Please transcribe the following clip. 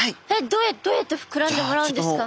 どうやって膨らんでもらうんですか？